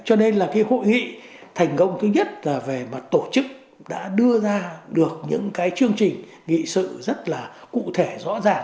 cho nên là cái hội nghị thành công thứ nhất là về mặt tổ chức đã đưa ra được những cái chương trình nghị sự rất là cụ thể rõ ràng